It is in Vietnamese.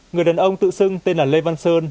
người đàn ông tự xưng tên là lê văn sơn